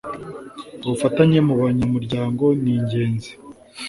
ubufatanye mu banyamuryango ni ingenzi